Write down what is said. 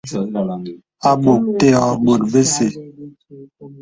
À bòk tè ɔ̄ɔ̄ bòt bèsɛ̂.